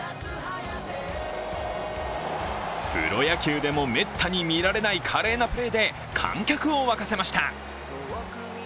プロ野球でもめったに見られない華麗なプレーで観客を沸かせました。